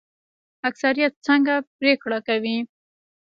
اکثریت څنګه پریکړه کوي؟